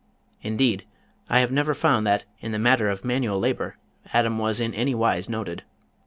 Indeed I have never found that in the matter of manual labor Adam was in any wise noted.